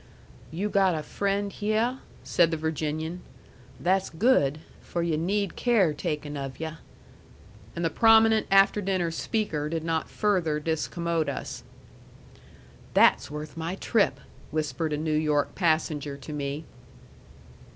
"You got a friend hyeh?" said the Virginian. "That's good, for yu' need care taken of yu'." And the prominent after dinner speaker did not further discommode us. "That's worth my trip," whispered a New York passenger to me.